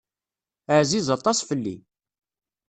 Ɛziz aṭas fell-i.